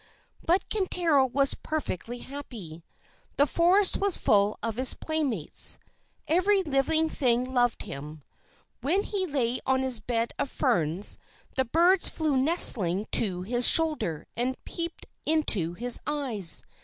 But Kintaro was perfectly happy. The forest was full of his playmates. Every living thing loved him. When he lay on his bed of ferns, the birds flew nestling to his shoulder, and peeped into his eyes.